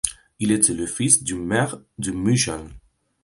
Il était le fils du maire de Mücheln.